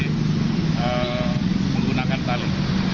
untuk menggunakan tali